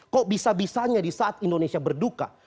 kok bisa bisanya disaat indonesia berduka